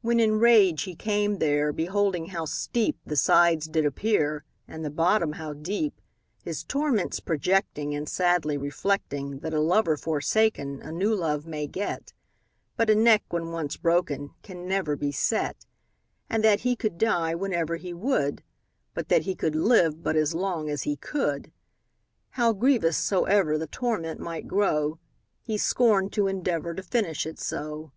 When in rage he came there, Beholding how steep The sides did appear, And the bottom how deep, His torments projecting And sadly reflecting, That a lover forsaken A new love may get; But a neck, when once broken, Can never be set: And that he could die Whenever he would; But that he could live But as long as he could: How grievous soever The torment might grow, He scorn'd to endeavour To finish it so.